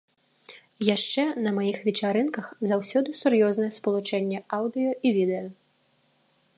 Яшчэ на маіх вечарынках заўсёды сур'ёзнае спалучэнне аўдыё і відэа.